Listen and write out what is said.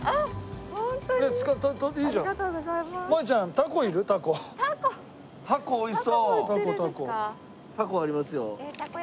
タコありますよ。